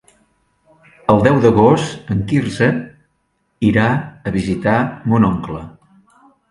El deu d'agost en Quirze irà a visitar mon oncle.